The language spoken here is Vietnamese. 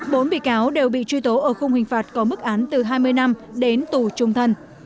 bốn bị cáo đều bị truy tố ở khung hình phạt có mức án từ hai mươi năm đến tù trung thân